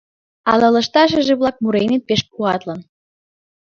Ала лышташыже-влак муреныт пеш куатлын